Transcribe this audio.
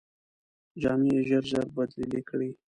جامې یې ژر ژر بدلې کړې.